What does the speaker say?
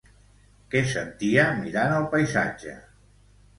Què sentia mirant el paisatge?